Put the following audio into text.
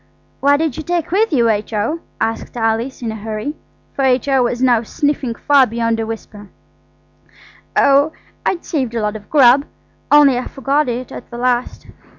"What did you take with you, H.O.?" asked Alice in a hurry, for H.O. was now sniffing far beyond a whisper. "Oh, I'd saved a lot of grub, only I forgot it at the last.